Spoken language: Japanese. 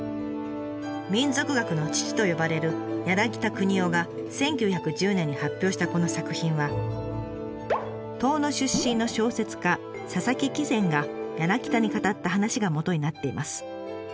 民俗学の父と呼ばれる柳田国男が１９１０年に発表したこの作品は遠野出身の小説家佐々木喜善が柳田に語った話がもとになっています。